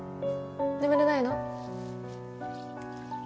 眠れないの？